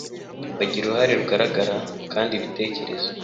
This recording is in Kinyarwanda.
bagira uruhare rugaragara kandi ibitekerezo